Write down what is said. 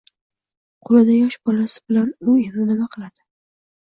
Qo`lida yosh bolasi bilan u endi nima qiladi